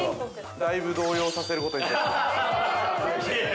◆だいぶ動揺させることに成功した。